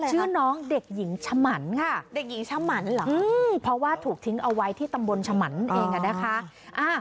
ชื่อน้องเด็กหญิงชมันค่ะเพราะว่าถูกทิ้งเอาไว้ที่ตำบลชมันเองค่ะนะคะ